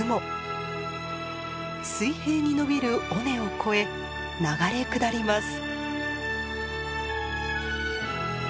水平に延びる尾根を越え流れ下ります。